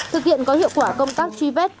thực hiện có hiệu quả công tác truy vết